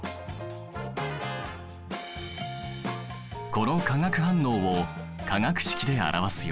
この化学反応を化学式で表すよ。